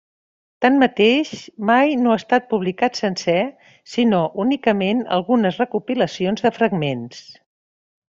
Tanmateix, mai no ha estat publicat sencer sinó únicament algunes recopilacions de fragments.